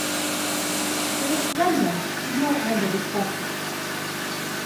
The referendum did not end as expected.